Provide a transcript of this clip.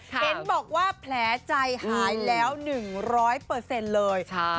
เห็นบอกว่าแผลใจหายแล้ว๑๐๐เลย